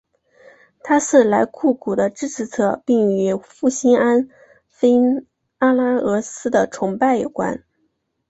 他是莱库古的支持者并与复兴安菲阿拉俄斯的崇拜有关。